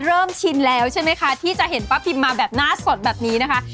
ชินแล้วใช่ไหมคะที่จะเห็นป้าพิมมาแบบหน้าสดแบบนี้นะคะ